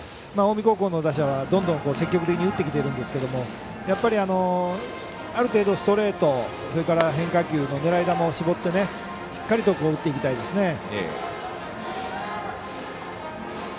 近江高校の打者は積極的に打ってきてるんですけどやっぱり、ある程度ストレート、それから変化球の狙い球を絞ってしっかりと打っていきたいですね。